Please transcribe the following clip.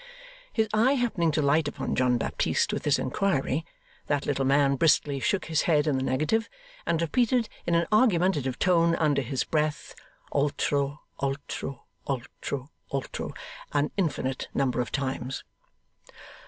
His eye happening to light upon John Baptist with this inquiry, that little man briskly shook his head in the negative, and repeated in an argumentative tone under his breath, altro, altro, altro, altro an infinite number of times.